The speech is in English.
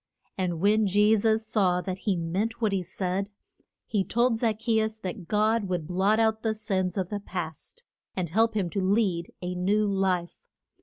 And when Je sus saw that he meant what he said, he told Zac che us that God would blot out the sins of the past, and help him to lead a new life.